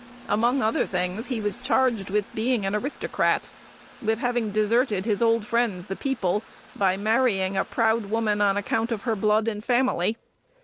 Among other things, he was charged with being an aristocrat; with having deserted his old friends, the people, by marrying a proud woman on account of her blood and family.